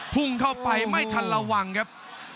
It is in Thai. พุ่งเข้าไปไม่ทันระวังครับ